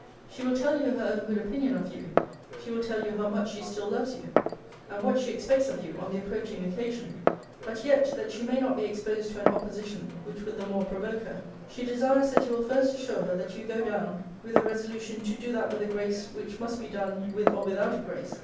She will tell you her own good opinion of you. She will tell you how much she still loves you; and what she expects of you on the approaching occasion. But yet, that she may not be exposed to an opposition which would the more provoke her, she desires that you will first assure her that you go down with a resolution to do that with a grace which must be done with or without a grace.